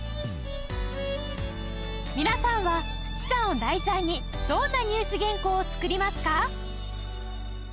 皆さんは須知さんを題材にどんなニュース原稿を作りますか？